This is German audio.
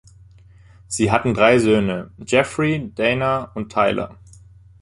Sie hatten drei Söhne: Jeffrey, Dana und Tyler.